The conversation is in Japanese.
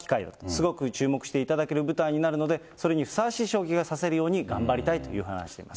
すごく注目していただける舞台になるので、それにふさわしい将棋が指せるように頑張りたいと話しています。